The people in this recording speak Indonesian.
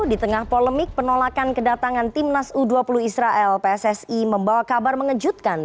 di tengah polemik penolakan kedatangan timnas u dua puluh israel pssi membawa kabar mengejutkan